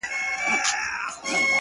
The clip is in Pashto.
• پټول به یې د ونو شاته غاړه,